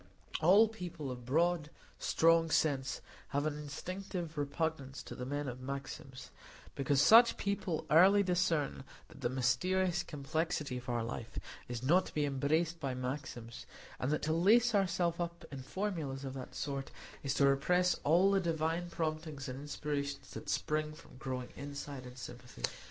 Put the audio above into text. All people of broad, strong sense have an instinctive repugnance to the men of maxims; because such people early discern that the mysterious complexity of our life is not to be embraced by maxims, and that to lace ourselves up in formulas of that sort is to repress all the divine promptings and inspirations that spring from growing insight and sympathy.